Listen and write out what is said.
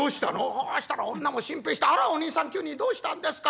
「そうしたら女も心配して『あらおにいさん急にどうしたんですか？』